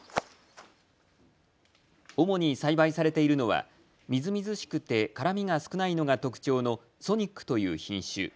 主に栽培されているのはみずみずしくて辛みが少ないのが特徴のソニックという品種。